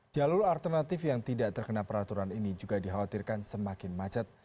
jalur alternatif yang tidak terkena peraturan ini juga dikhawatirkan semakin macet